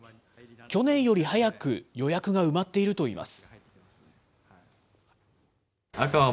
去年より早く予約が埋まっているといいます。